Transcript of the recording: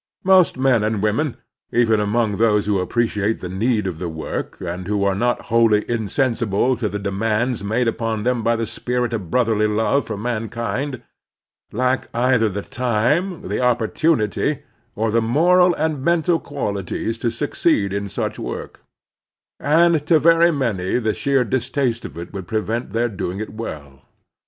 Most men and women, even among those who appreciate the need of the work and who are not wholly insensible to the demands made upon them by the spirit of brotherly love for man Civic Helpfulness 97 kind, lack cither the time, the opportunity, or the moral and mental qualities to succeed in such work; and to very many the sheer distaste of it would prevent their doing it well.